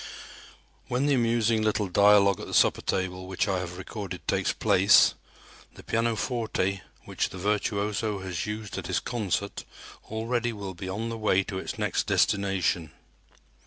When the amusing little dialogue at the supper table, which I have recorded, takes place, the pianoforte which the virtuoso has used at his concert already will be on the way to its next destination.